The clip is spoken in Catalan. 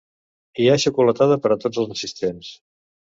Hi ha xocolatada per a tots els assistents.